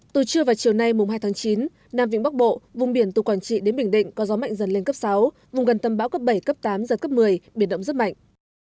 từ trưa vào chiều nay mùng hai tháng chín nam vĩ bắc bộ vùng biển từ quảng trị đến bình định có gió mạnh dần lên cấp sáu vùng gần tâm bão cấp bảy cấp tám giật cấp một mươi biển động rất mạnh